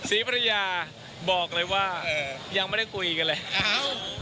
ศรีภรรยาบอกเลยว่ายังไม่ได้คุยกันเลยอ้าว